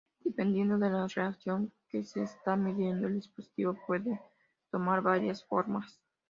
Dependiendo de la reacción que se está midiendo, el dispositivo puede tomar varias formas.